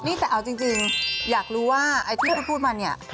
นี่แต่เอาจริงอยากรู้ว่าที่เธอพูดมานี่